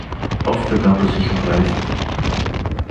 Oft begab er sich auf Reisen.